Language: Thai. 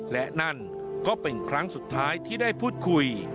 และนั่นก็เป็นครั้งสุดท้ายที่ได้พูดคุย